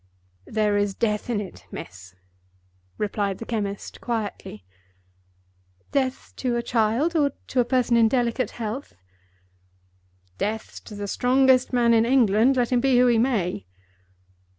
"There is Death in it, miss," replied the chemist, quietly. "Death to a child, or to a person in delicate health?" "Death to the strongest man in England, let him be who he may."